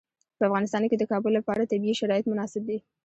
په افغانستان کې د کابل لپاره طبیعي شرایط مناسب دي.